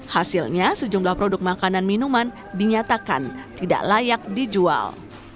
hasilnya sejumlah produk makanan minuman dinyatakan tidak layak dijual